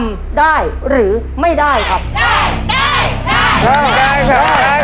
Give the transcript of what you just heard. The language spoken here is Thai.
ทาราบังชุดรับแขกเนี่ยออกวางแผงในปีภศ๒๕๔๖ค่ะ